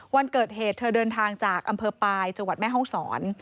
วันเกิดเหตุเธอเดินทางจากอำเภอปลายจังหวัดแม่ห้องศร